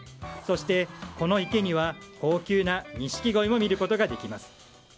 そして、この池には高級な錦鯉も見ることができます。